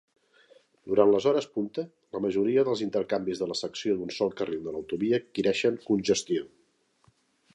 Durant les hores punta, la majoria dels intercanvis de la secció d'un sol carril de l'autovia adquireixen congestió.